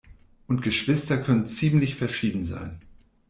Und Geschwister können ziemlich verschieden sein.